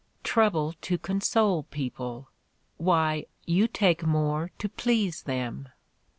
Trouble to console people! Why, you take more to please them!